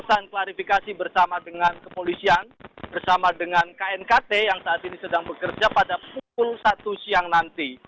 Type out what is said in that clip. kita lakukan klarifikasi bersama dengan kepolisian bersama dengan knkt yang saat ini sedang bekerja pada pukul satu siang nanti